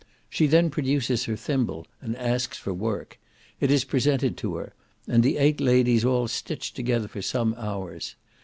She then produces her thimble, and asks for work; it is presented to her, and the eight ladies all stitch together for some hours.